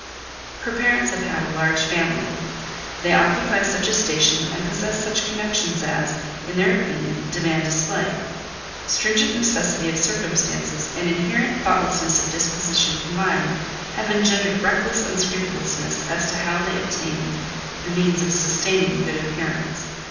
Her parents have a large family: they occupy such a station and possess such connections as, in their opinion, demand display; stringent necessity of circumstances and inherent thoughtlessness of disposition combined, have engendered reckless unscrupulousness as to how they obtain the means of sustaining a good appearance.